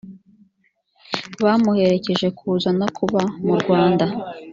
bamuherekeje kuza no kuba mu rwanda